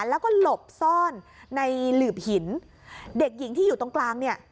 แล้วก็หลบซ่อนในหลืบหินเด็กหญิงที่อยู่ตรงกลางเนี่ย